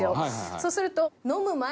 そうすると。